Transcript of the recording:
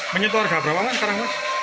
menyentuh harga berapa mas sekarang mas